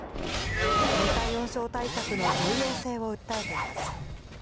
低体温症対策の重要性を訴えています。